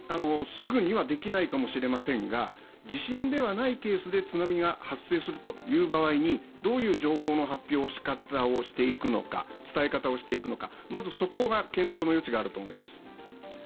すぐにはできないかもしれませんが、地震ではないケースで津波が発生するという場合に、どういう情報の発表の仕方をしていくのか伝え方をしていくのか、まずそこが検討の余地があると思います。